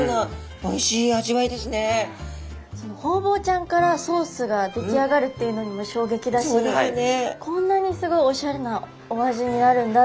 ホウボウちゃんからソースが出来上がるっていうのにも衝撃だしこんなにすごいオシャレなお味になるんだっていうのも本当にビックリ。